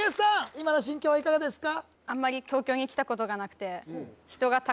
今の心境はいかがですか？